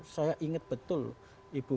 saya ingat betul ibu